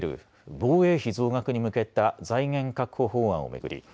防衛費増額に向けた財源確保法案を巡り